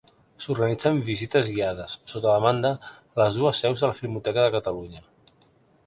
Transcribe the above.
S'organitzen visites guiades, sota demanda, a les dues seus de la Filmoteca de Catalunya.